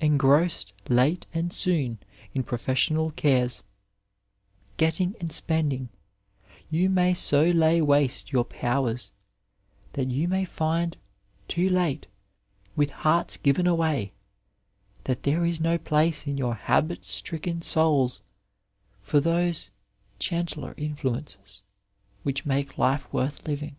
Engrossed late and soon in professional cares, getting and spending, you may so lay waste your powers that you may find, too late, with hearts given away, that there is no place in your habit^stricken souls for those gentler influences which make life worth living.